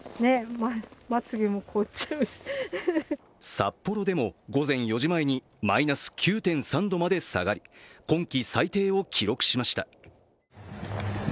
札幌でも午前４時前にマイナス９．３度まで下がり、今季最低を記録しました。